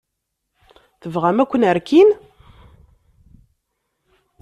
Tebɣam ad ken-rkin?